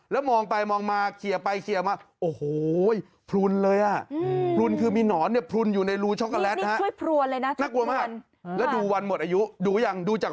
แล้วมองไปมองมาเคลียร์ไปเคลียร์มา